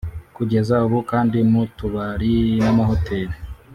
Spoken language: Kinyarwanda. Kugeza ubu kandi mu tubari n’amahoteli